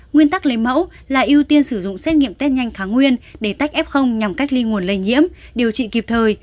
nguyên tắc lấy mẫu là ưu tiên sử dụng xét nghiệm test nhanh thái nguyên để tách f nhằm cách ly nguồn lây nhiễm điều trị kịp thời